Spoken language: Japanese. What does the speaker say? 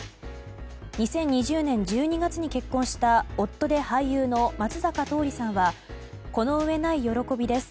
２０２０年１２月に結婚した夫で俳優の松坂桃李さんはこの上ない喜びです。